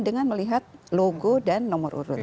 dengan melihat logo dan nomor urut